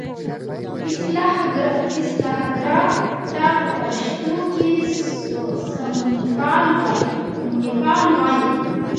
اصلاح ګرا ته په پښتو کې سمونپال وایي.